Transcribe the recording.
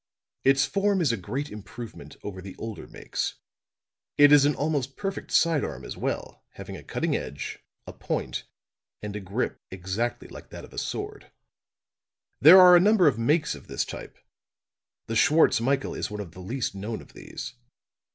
Its form is a great improvement over the older makes; it is an almost perfect side arm as well, having a cutting edge, a point, and a grip exactly like that of a sword. There are a number of makes of this type; the Schwartz Michael is one of the least known of these.